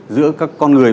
giữa các con người